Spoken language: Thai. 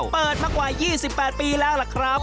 เปิดมากว่า๒๘ปีแล้วล่ะครับ